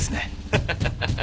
ハハハハ！